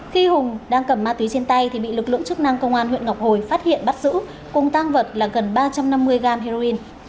khi hùng đang cầm ma túy trên tay thì bị lực lượng chức năng công an huyện ngọc hồi phát hiện bắt giữ cùng tăng vật là gần ba trăm năm mươi gram heroin